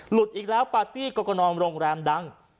หลุดอีกแล้วปาร์ตี้กรกฎรมโรงแรมดัง